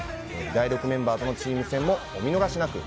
ダイロクメンバーとのチーム戦もお見逃しなく。